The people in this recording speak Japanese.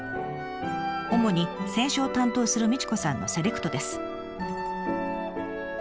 主に選書を担当する道子さんのセレクトです。